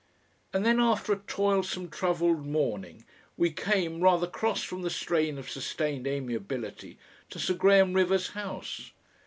And then after a toilsome troubled morning we came, rather cross from the strain of sustained amiability, to Sir Graham Rivers' house.